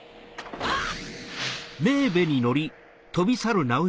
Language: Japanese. あっ！